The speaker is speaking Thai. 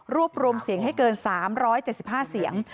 รวมเสียงให้เกิน๓๗๕เสียง